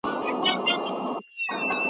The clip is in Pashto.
اسلام د شتمنۍ په وېش کي د فقیر حق ساتي.